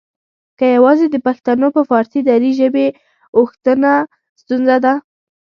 که یواځې د پښتنو په فارسي دري ژبې اوښتنه ستونزه ده؟